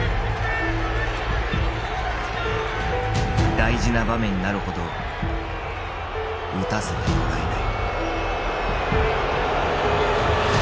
大事な場面になるほど打たせてもらえない。